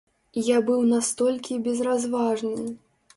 Я быў настолькі безразважны!